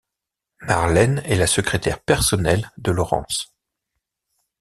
Marlène est la secrétaire personnelle de Laurence.